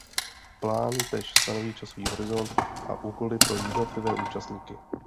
Plán též stanoví časový horizont a úkoly pro jednotlivé účastníky.